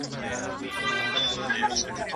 ¬ د خېر نه مي توبه ، سپي دي کور کي که!